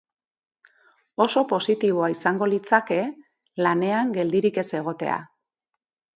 Oso positiboa izango litzateke lanean geldirik ez egotea.